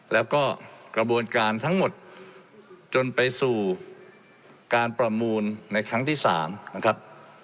แล้วก็กระบวนการทั้งหมดจนไปสู่การประมูลในครั้งที่๓นะครับ